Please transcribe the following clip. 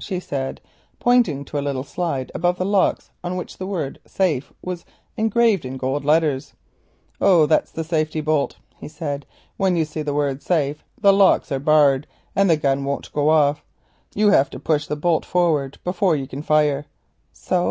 she said, pointing to a little slide above the locks on which the word "safe" was engraved in gold letters. "Oh, that's the safety bolt," he said. "When you see the word 'safe,' the locks are barred and the gun won't go off. You have to push the bolt forward before you can fire." "So?"